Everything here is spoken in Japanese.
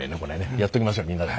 やっときましょうみんなで。